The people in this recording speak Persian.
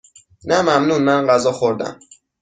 نه ممنون، من غذا خوردهام.